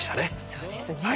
そうですね。